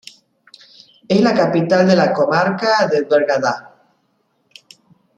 Es la capital de la comarca del Bergadá.